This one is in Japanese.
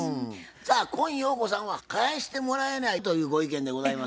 さあ今陽子さんは返してもらえないというご意見でございますが。